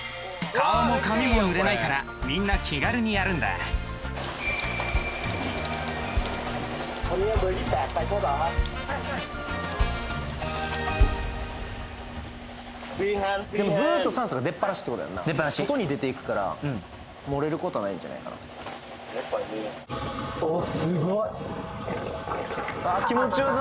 顔も髪も濡れないからみんな気軽にやるんだでもずーっと酸素が出っぱなしってことやんな出っぱなし外に出ていくからもれることはないんじゃないかな気持ちよさ